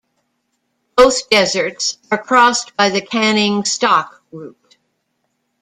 Both deserts are crossed by the Canning Stock Route.